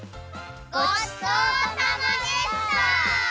ごちそうさまでした！